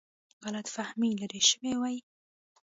غلط فهمي لیرې شوې وای.